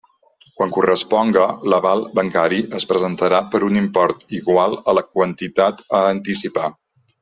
Quan corresponga, l'aval bancari es presentarà per un import igual a la quantitat a anticipar.